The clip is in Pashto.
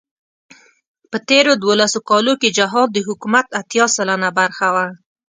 په تېرو دولسو کالو کې جهاد د حکومت اتيا سلنه برخه وه.